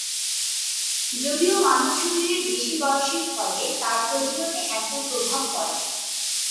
যদিও মানব শরীরের বেশি বয়সের ফলে তার প্রজননে একটা প্রভাব পরে।